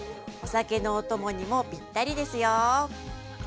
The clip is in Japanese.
お酒のお供にもぴったりですよ。